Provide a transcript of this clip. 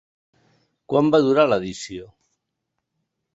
Quant va durar l'edició?